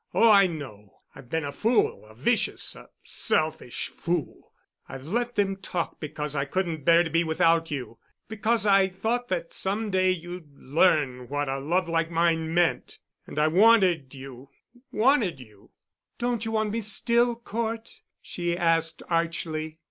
Oh, I know—I've been a fool—a vicious—a selfish fool. I've let them talk because I couldn't bear to be without you—because I thought that some day you'd learn what a love like mine meant. And I wanted you—wanted you——" "Don't you want me still, Cort?" she asked archly.